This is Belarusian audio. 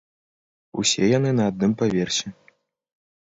Усе яны на адным паверсе.